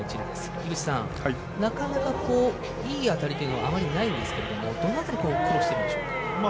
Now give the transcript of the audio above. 井口さん、なかなかいい当たりというのはあまりないんですけどもどのあたり苦労しているんでしょうか。